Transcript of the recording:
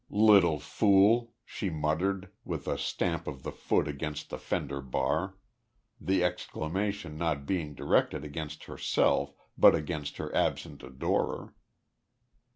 "Little fool!" she muttered with a stamp of the foot against the fender bar; the exclamation not being directed against herself but against her absent adorer.